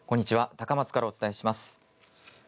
高松からお伝えします。